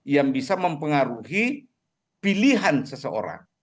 yang bisa mempengaruhi pilihan seseorang